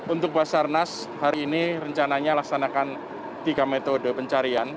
untuk basarnas hari ini rencananya laksanakan tiga metode pencarian